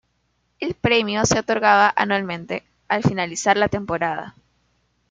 El premio se otorgaba anualmente, al finalizar la temporada.